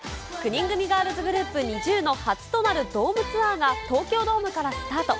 ９人組ガールズグループ、ＮｉｚｉＵの初となるドームツアーが東京ドームからスタート。